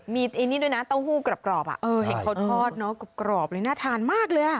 มีไอ้นี่ด้วยนะเต้าหู้กรอบเห็ดเขาทอดเนอะกรอบเลยน่าทานมากเลยอ่ะ